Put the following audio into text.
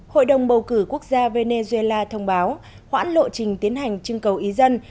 hội đồng bầu cử quốc gia venezuela thông báo hoãn lộ trình tiến hành trưng cầu ý dân